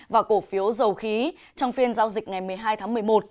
và cổ phiếu dầu khí trong phiên giao dịch ngày một mươi hai tháng một mươi một